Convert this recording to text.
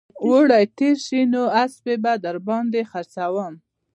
اوړي تېر شي نو اسپې به در باندې خرڅوم